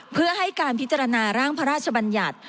เพื่อให้การพิจารณาร่างพระราชบัญญัติ